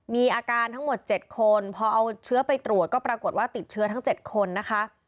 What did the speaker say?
มีอาการทั้งหมด๗คนพอเอาเชื้อไปตรวจก็ปรากฏว่าติดเชื้อทั้ง๗คนนะคะ